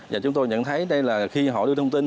và chúng tôi nhận thấy đây là khi họ đưa thông tin